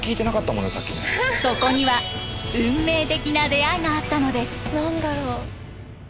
そこには運命的な出会いがあったのです。